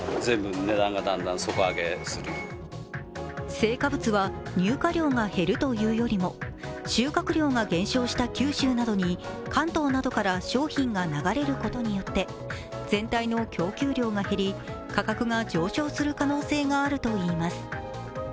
青果物は入荷量が減るというよりも、収穫量が減少した九州などに関東などから商品が流れることによって全体の供給量が減り、価格が上昇する可能性があるといいます。